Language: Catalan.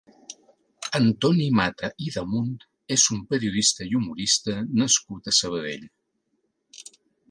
Antoni Mata i Damunt és un periodista i humorista nascut a Sabadell.